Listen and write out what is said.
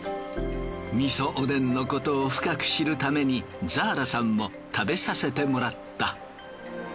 みそおでんのことを深く知るためにザーラさんも食べさせてもらった。